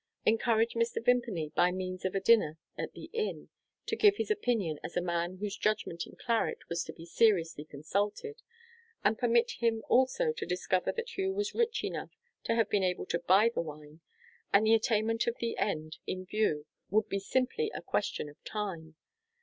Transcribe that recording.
Encourage Mr. Vimpany by means of a dinner at the inn, to give his opinion as a man whose judgment in claret was to be seriously consulted and permit him also to discover that Hugh was rich enough to have been able to buy the wine and the attainment of the end in view would be simply a question of time.